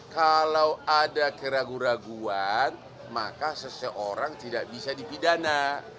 kalau ada keraguan keraguan maka seseorang tidak bisa dipidana